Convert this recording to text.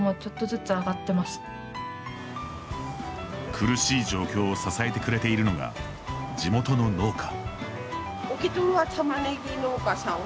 苦しい状況を支えてくれているのが地元の農家。